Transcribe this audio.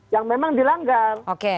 yang memang dilanggar